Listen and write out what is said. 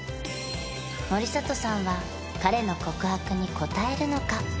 森里さんは彼の告白に応えるのか？